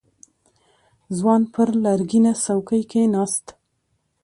ځوان پر لرګينه څوکۍ کېناست.